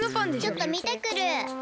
ちょっとみてくる。